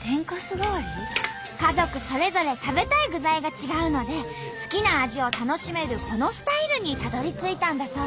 家族それぞれ食べたい具材が違うので好きな味を楽しめるこのスタイルにたどりついたんだそう。